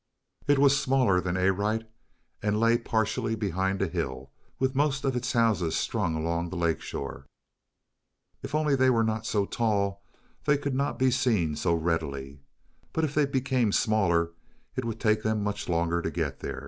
It was smaller than Arite, and lay partially behind a hill, with most of its houses strung along the lake shore. If only they were not so tall they could not be seen so readily. But if they became smaller it would take them much longer to get there.